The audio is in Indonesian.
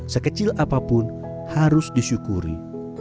sekecil apapun harus disyukuri